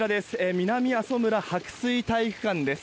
南阿蘇村白水体育館です。